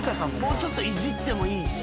もうちょっといじってもいいし。